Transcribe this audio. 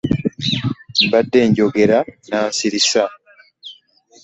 Mbadde njogera nansirisa.